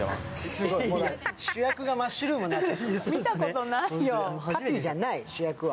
すごい、主役がマッシュルームになっちゃった、パティじゃない、主役は。